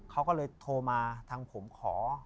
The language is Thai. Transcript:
เขาก็เลยโทรมาทางผมขอ